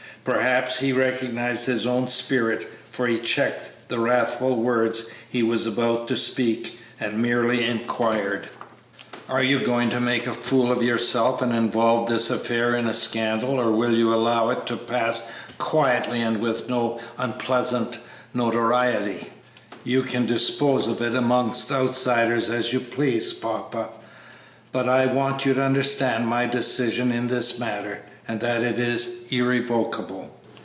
Perhaps he recognized his own spirit, for he checked the wrathful words he was about to speak and merely inquired, "Are you going to make a fool of yourself and involve this affair in a scandal, or will you allow it to pass quietly and with no unpleasant notoriety?" "You can dispose of it among outsiders as you please, papa, but I want you to understand my decision in this matter, and that it is irrevocable."